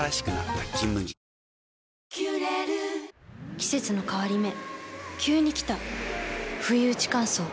季節の変わり目急に来たふいうち乾燥。